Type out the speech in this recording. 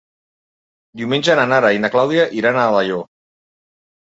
Diumenge na Nara i na Clàudia iran a Alaior.